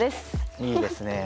いいですね。